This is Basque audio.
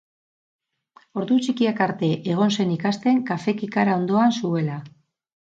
Ordu txikiak arte egon zen ikasten kafe kikara ondoan zuela.